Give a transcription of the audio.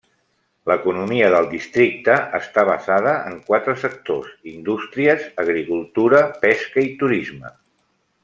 L'economia del districte està basada en quatre sectors: indústries, agricultura, pesca i turisme.